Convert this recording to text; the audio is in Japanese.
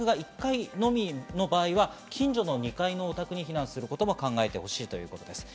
自宅は１階のみの場合は近所の２階のお宅に避難することも考えてほしいということです。